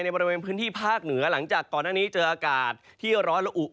บริเวณพื้นที่ภาคเหนือหลังจากก่อนหน้านี้เจออากาศที่ร้อนละอุ